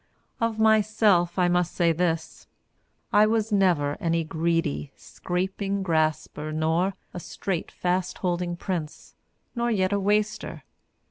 Of myself I must say this: I never was any greedy, scraping grasper, nor a strait fast holding Prince, nor yet a waster.